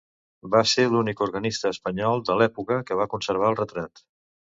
Va ser l'únic organista espanyol de l'època que va conservar el retrat.